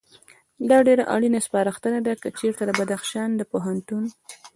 دا ډېره اړینه سپارښتنه ده، که چېرته د بدخشان د پوهنتون